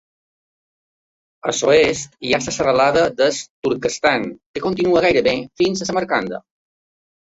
A l'oest hi ha la serralada del Turquestan, que continua gairebé fins a Samarkanda.